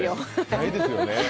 ないですよ。